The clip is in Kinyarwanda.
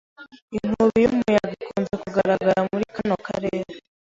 Inkubi y'umuyaga ikunze kugaragara muri kano karere.